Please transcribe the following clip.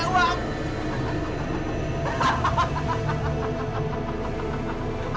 uitih apa lah